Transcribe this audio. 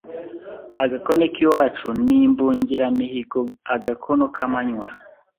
Agakono k'iwacu ni imbungiramihigoAgakono k'amanywa